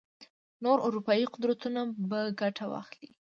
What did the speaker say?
نور اروپايي قدرتونه به ګټه واخلي.